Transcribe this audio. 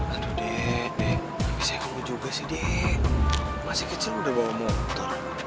aduh dek dek bisa kamu juga sih dek masih kecil udah bawa motor